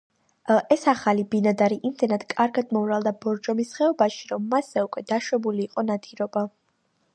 ეს ახალი ბინადარი იმდენად კარგად მომრავლდა ბორჯომის ხეობაში, რომ მასზე უკვე დაშვებული იყო ნადირობა.